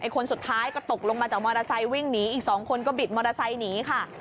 คนสุดท้ายก็ตกลงมาจากมอเตอร์ไซค์วิ่งหนีอีก๒คนก็บิดมอเตอร์ไซค์หนีค่ะ